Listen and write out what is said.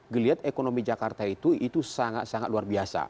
dilihat ekonomi jakarta itu sangat sangat luar biasa